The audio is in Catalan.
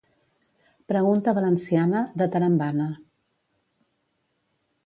Pregunta valenciana, de tarambana.